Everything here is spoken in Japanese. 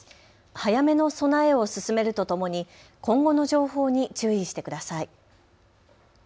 早めの備えを進めるとともに今後の情報に注意してください。